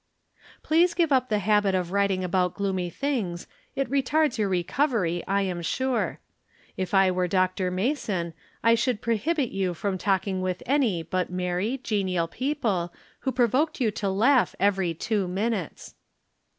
Please give up the habit of writing about gloomy things ; it retards your re covery, I am sure. If I were Dr. Mason I should prohibit you from talldng with any but merry, genial people, who provoked you to laugh every two minutes.